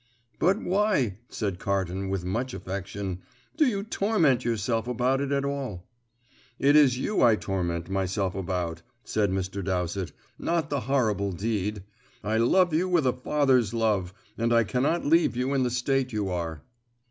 "But why," said Carton, with much affection, "do you torment yourself about it at all?" "It is you I torment myself about," said Mr. Dowsett, "not the horrible deed. I love you with a father's love, and I cannot leave you in the state you are."